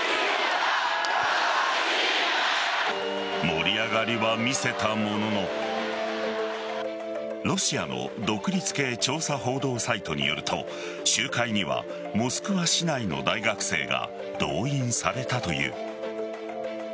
盛り上がりは見せたもののロシアの独立系調査報道サイトによると集会にはモスクワ市内の大学生が動員されたという。